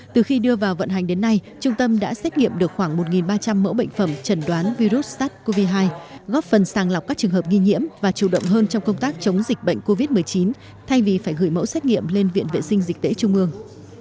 từ khi đưa vào vận hành đến nay trung tâm đã xét nghiệm được khoảng một ba trăm linh mẫu bệnh phẩm trần đoán virus sars cov hai góp phần sàng lọc các trường hợp nghi nhiễm và chủ động hơn trong công tác chống dịch bệnh covid một mươi chín thay vì phải gửi mẫu xét nghiệm lên viện vệ sinh dịch tễ trung ương